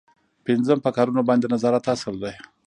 پنځم په کارونو باندې د نظارت اصل دی.